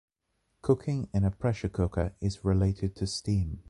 Cooking in a pressure cooker is related to steam.